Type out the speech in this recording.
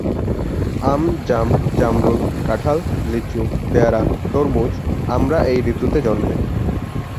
আম, জাম, জামরুল, কাঁঠাল, লিচু, পেয়ারা, তরমুজ, আমড়া এই ঋতুতে জন্মে।